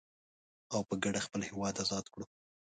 او په کډه خپل هيواد ازاد کړو.